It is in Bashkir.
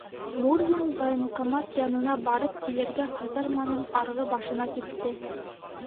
Мурзин военкомат янына барып килергә казарманың арғы башына китте.